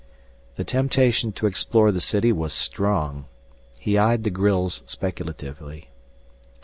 The temptation to explore the city was strong. He eyed the grilles speculatively.